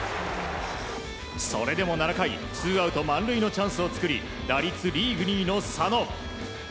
それでも７回ツーアウト満塁のチャンスを作り打率リーグ２位の佐野。